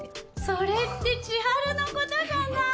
それって千晴のことじゃない。